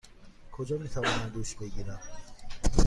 کجا می توانم دوش بگیرم؟